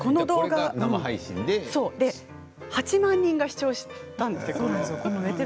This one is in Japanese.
８万人が視聴したんですって。